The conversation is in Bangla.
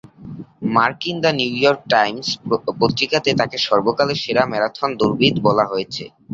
মার্কিন "দ্য নিউ ইয়র্ক টাইমস" পত্রিকাতে তাকে "সর্বকালের সেরা ম্যারাথন দৌড়বিদ" বলা হয়েছে।